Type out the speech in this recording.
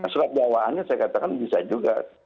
surat dawaannya saya katakan bisa juga